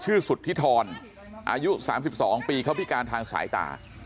ชื่อสุธิธรอายุสามสิบสองปีเขาพิการทางสายตา